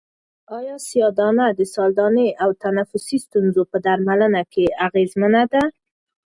آیا سیاه دانه د سالنډۍ او تنفسي ستونزو په درملنه کې اغېزمنه ده؟